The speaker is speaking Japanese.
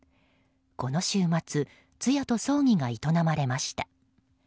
この週末通夜と葬儀が営まれました。